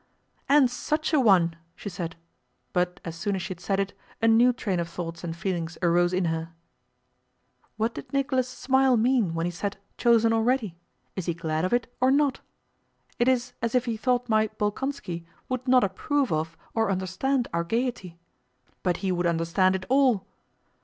"And such a one!" she said. But as soon as she had said it a new train of thoughts and feelings arose in her. "What did Nicholas' smile mean when he said 'chosen already'? Is he glad of it or not? It is as if he thought my Bolkónski would not approve of or understand our gaiety. But he would understand it all.